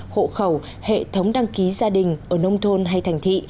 hộ khẩu hệ thống đăng ký gia đình ở nông thôn hay thành thị